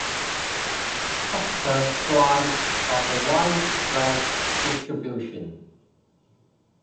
Cluster flies have a widespread distribution.